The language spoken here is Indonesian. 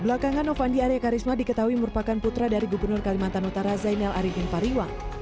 belakangan novandi arya karisma diketahui merupakan putra dari gubernur kalimantan utara zainal arifin fariwa